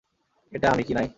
এটা আমি, কিনাই।